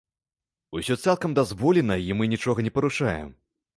Усё цалкам дазволена і мы нічога не парушаем.